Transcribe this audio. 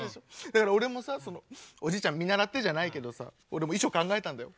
だから俺もさおじいちゃん見習ってじゃないけどさ俺も遺書考えたんだよ。